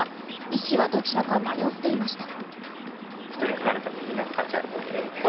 医師はどちらか迷っていました。